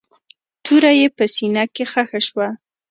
توره يې په سينه کښې ښخه شوه.